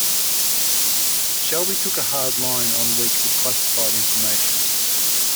Shelby took a hard line on leaks of classified information.